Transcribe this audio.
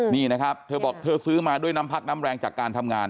นี่นะครับเธอบอกเธอซื้อมาด้วยน้ำพักน้ำแรงจากการทำงาน